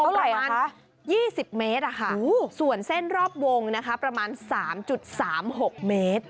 ประมาณ๒๐เมตรส่วนเส้นรอบวงนะคะประมาณ๓๓๖เมตร